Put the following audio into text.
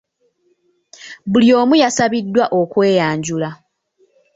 Buli omu yasabiddwa okweyanjula .